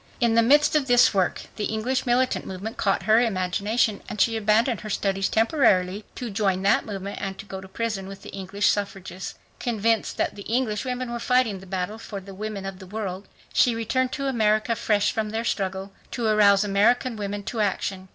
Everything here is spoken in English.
In the midst of this work the English militant movement caught her imagination and she abandoned her studies temporarily to join that movement and go to prison with the English suffragists. Convinced that the English women were fighting the battle for the women of the world, she returned to America fresh from their struggle, to arouse American women to action.